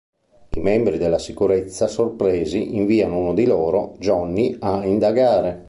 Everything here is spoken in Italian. I membri della sicurezza, sorpresi, inviano uno di loro, Johnny, a indagare.